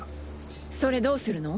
それどうするの？